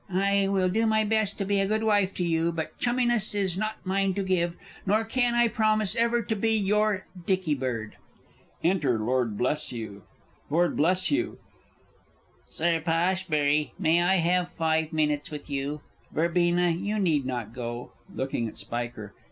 I will do my best to be a good wife to you but chumminess is not mine to give, nor can I promise ever to be your dicky bird. Enter LORD BLESHUGH. Lord B. Sir Poshbury, may I have five minutes with you? Verbena, you need not go. (Looking at SPIKER.)